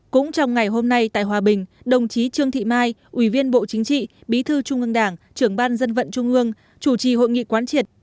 cũng trong ngày hôm nay tại hòa bình đồng chí trương thị mai ủy viên bộ chính trị bí thư trung ương đảng trưởng ban dân vận trung ương chủ trì hội nghị quán triệt